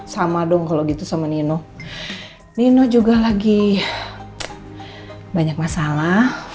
sama dong kalau gitu sama nino juga lagi banyak masalah